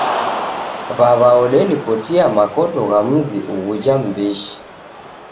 W'aw'a odenikotia makoto gha muzi ughuja m'mbishi.